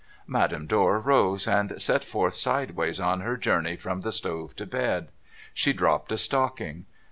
Madame Dor rose, and set forth sideways on her journey from the stove to bed. She dropped a stocking.